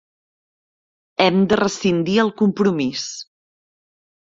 Hem de rescindir el compromís.